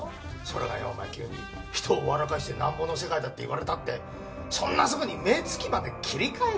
それがよお前急に人を笑かしてなんぼの世界だって言われたってそんなすぐに目つきまで切り替えられるか？